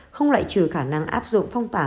không lại trừ khả năng áp dụng phong tỏa